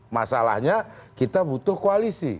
masalahnya kita butuh koalisi